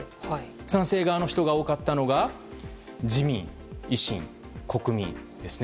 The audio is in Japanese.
賛成側の人が多かったのが自民、維新、国民ですね。